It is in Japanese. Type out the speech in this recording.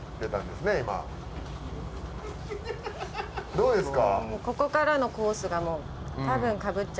どうですか？